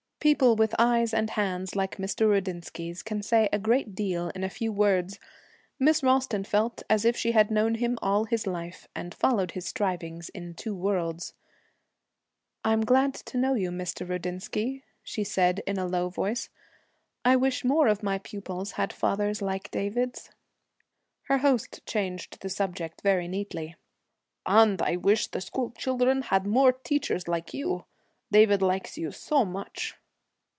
People with eyes and hands like Mr. Rudinsky's can say a great deal in a few words. Miss Ralston felt as if she had known him all his life, and followed his strivings in two worlds. 'I'm glad to know you, Mr. Rudinsky,' she said in a low voice. 'I wish more of my pupils had fathers like David's.' Her host changed the subject very neatly. 'And I wish the school children had more teachers like you. David likes you so much.'